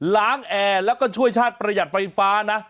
แอร์แล้วก็ช่วยชาติประหยัดไฟฟ้านะ